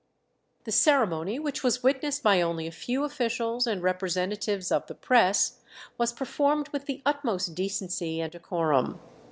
The ceremony, which was witnessed by only a few officials and representatives of the press, was performed with the utmost decency and decorum.